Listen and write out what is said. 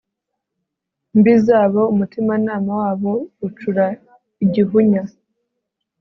mbi zabo umutimanama wabo ucura igihunya